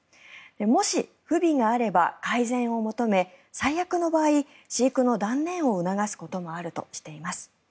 もし、不備があれば改善を求め最悪の場合、飼育の断念を促すこともあるとしています。